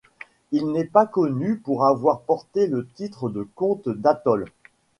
Il n'est pas connu pour avoir porté le titre de comte d'Atholl.